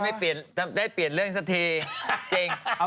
ก็จะมาเปลี่ยนเรื่องนี้ซะเท่